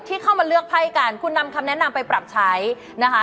เข้ามาเลือกไพ่กันคุณนำคำแนะนำไปปรับใช้นะคะ